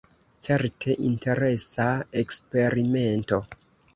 Certe interesa eksperimento.